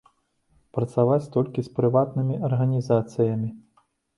Працаваць толькі з прыватнымі арганізацыямі.